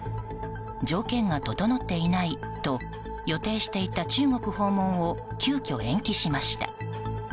条件が整っていないと予定していた中国訪問を急きょ延期しました。